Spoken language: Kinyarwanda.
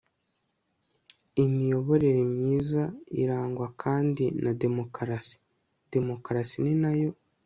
imiyoborere myiza irangwa kandi na demokarasi. demokarasi na yo